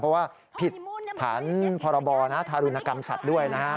เพราะว่าผิดฐานพรบธารุณกรรมสัตว์ด้วยนะฮะ